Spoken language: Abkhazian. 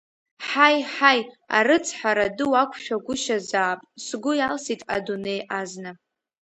Ҳаи, ҳаи, арыцҳара ду уақәшәагәышьазаап, сгәы иалсит адунеи азна.